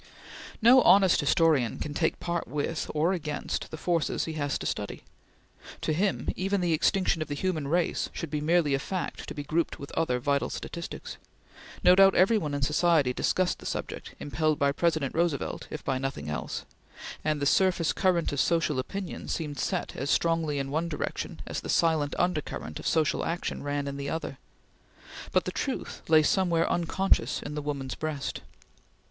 No honest historian can take part with or against the forces he has to study. To him even the extinction of the human race should be merely a fact to be grouped with other vital statistics. No doubt every one in society discussed the subject, impelled by President Roosevelt if by nothing else, and the surface current of social opinion seemed set as strongly in one direction as the silent undercurrent of social action ran in the other; but the truth lay somewhere unconscious in the woman's breast.